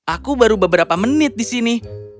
aku baru beberapa menit di sini